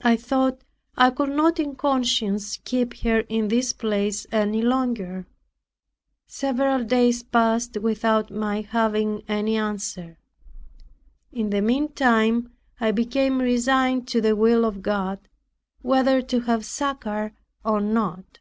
I thought I could not in conscience keep her in this place any longer. Several days passed without my having any answer. In the meantime I became resigned to the will of God, whether to have succor or not.